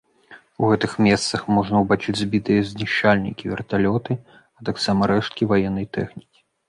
У гэтых месцах можна ўбачыць збітыя знішчальнікі, верталёты, а таксама рэшткі іншай ваеннай тэхнікі.